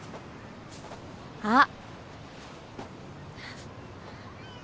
あっ！